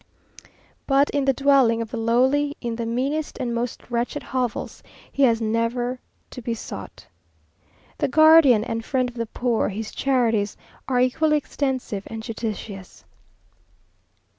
But in the dwelling of the lowly, in the meanest and most wretched hovels, he has never to be sought. The guardian and friend of the poor, his charities are equally extensive and judicious....